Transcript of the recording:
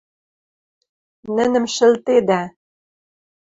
Нӹнӹм шӹлтедӓ!